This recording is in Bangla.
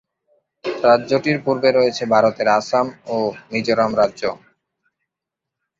রাজ্যটির পূর্বে রয়েছে ভারতের আসাম ও মিজোরাম রাজ্য।